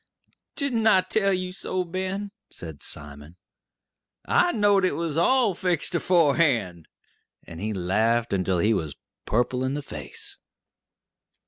"Didn't I tell you so, Ben?" said Simon. "I knowed it was all fixed aforehand," and he laughed until he was purple in the face.